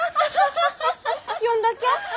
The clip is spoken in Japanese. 呼んだきゃ？